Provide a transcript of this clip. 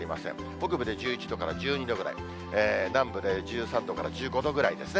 北部で１１度から１２度ぐらい、南部で１３度から１５度ぐらいですね。